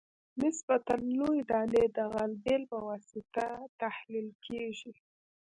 نسبتاً لویې دانې د غلبیل په واسطه تحلیل کیږي